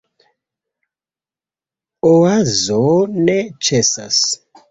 Oazo ne ĉesas.